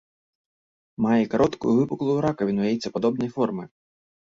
Мае кароткую выпуклую ракавіну яйцападобнай формы.